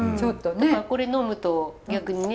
だからこれ呑むと逆にね